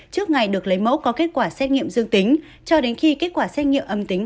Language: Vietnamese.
trước ngày được lấy mẫu có kết quả xét nghiệm dương tính cho đến khi kết quả xét nghiệm âm tính